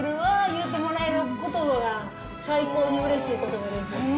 言うてもらえる言葉が最高にうれしい言葉ですね。